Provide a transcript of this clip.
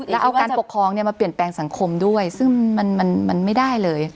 แล้วเอาการปกครองมาเปลี่ยนแปลงสังคมด้วยซึ่งมันไม่ได้เลย